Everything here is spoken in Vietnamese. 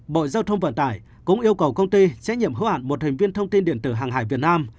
bộ giao thông vận tải cũng yêu cầu công ty trách nhiệm hữu hạn một thành viên thông tin điện tử hàng hải việt nam